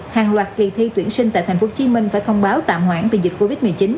hàng loạt kỳ thi tuyển sinh tại tp hcm phải thông báo tạm hoãn vì dịch covid một mươi chín